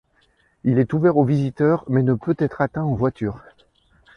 Il est ouvert aux visiteurs, mais ne peut être atteint en voiture.